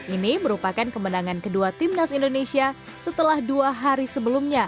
ini merupakan kemenangan kedua timnas indonesia setelah dua hari sebelumnya